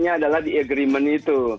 yang adalah di agreement itu